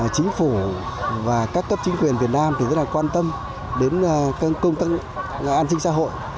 chính phủ và các cấp chính quyền việt nam rất quan tâm đến công tắc an sinh xã hội